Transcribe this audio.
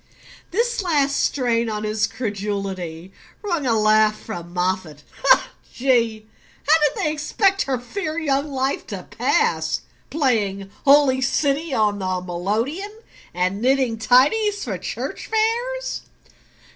This last strain on his credulity wrung a laugh from Moffatt. "Gee! How'd they expect her fair young life to pass? Playing 'Holy City' on the melodeon, and knitting tidies for church fairs?"